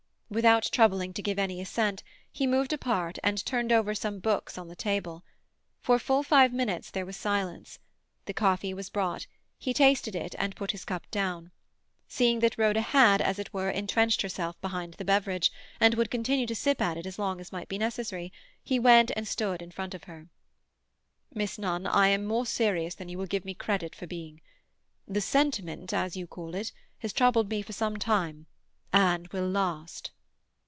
Without troubling to give any assent, he moved apart and turned over some books on the table. For full five minutes there was silence. The coffee was brought; he tasted it and put his cup down. Seeing that Rhoda had, as it were, entrenched herself behind the beverage, and would continue to sip at it as long as might be necessary, he went and stood in front of her. "Miss Nunn, I am more serious than you will give me credit for being. The sentiment, as you call it, has troubled me for some time, and will last."